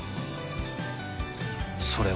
それは。